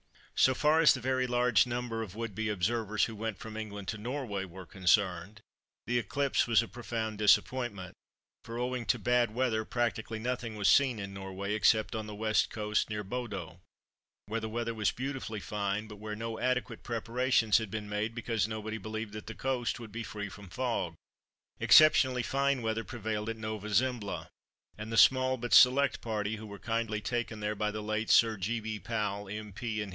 So far as the very large number of would be observers who went from England to Norway were concerned, the eclipse was a profound disappointment, for owing to bad weather practically nothing was seen in Norway except on the West coast near Bodö, where the weather was beautifully fine, but where no adequate preparations had been made, because nobody believed that the coast would be free from fog. Exceptionally fine weather prevailed at Nova Zembla, and the small but select party who were kindly taken there by the late Sir G. B. Powell, M.P.